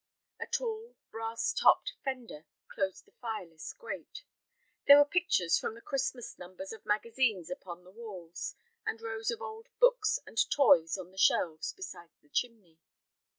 A tall, brass topped fender closed the fireless grate. There were pictures from the Christmas numbers of magazines upon the walls, and rows of old books and toys on the shelves beside the chimney.